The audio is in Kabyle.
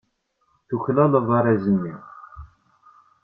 Tuklaleḍ arraz-nni.